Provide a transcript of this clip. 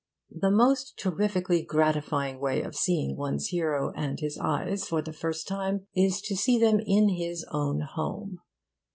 The most terrifically gratifying way of seeing one's hero and his eyes for the first time is to see them in his own home.